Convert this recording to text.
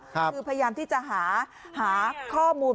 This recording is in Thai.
คือพยายามที่จะหาข้อมูล